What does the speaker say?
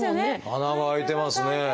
穴も開いてますね。